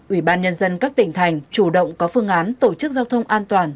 ủy ban nhân dân các tỉnh thành chủ động có phương án tổ chức giao thông an toàn